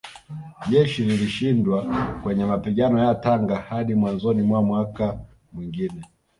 Jeshi lilishindwa kwenye mapigano ya Tanga hadi mwanzoni mwa mwaka mwingine